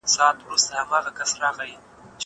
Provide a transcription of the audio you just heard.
زه به سبا ښوونځی ته ځم وم.